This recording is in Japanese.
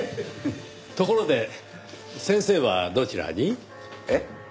ところで先生はどちらに？えっ？